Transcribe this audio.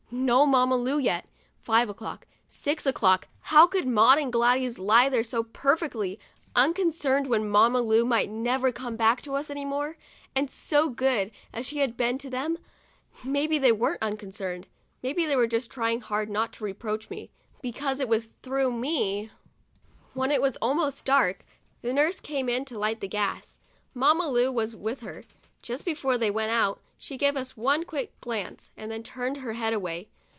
No Mamma Lu yet ! Five o'clock, six o'clock — how could Maud and Gladys lie there so per fectly unconcerned when Mamma Lu might never come back to us any more, and so good as she had been to them, too } Maybe they weren't unconcerned, maybe they were just trying hard not to reproach me, because it was through me — When it was almost dark, the nurse came in to light the gas. Mamma Lu was with her. Just before they went out, she gave us one quick glance, then turned her head away.